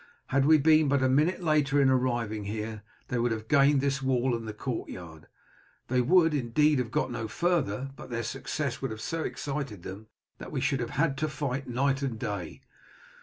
Had we been but a minute later in arriving here they would have gained this wall and the courtyard. They would, indeed, have got no farther, but their success would have so excited them that we should have had to fight night and day.